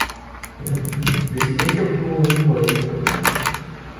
Durante su vicepresidencia obtuvo un poder importante.